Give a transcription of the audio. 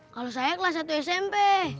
kalau saya kelas satu smp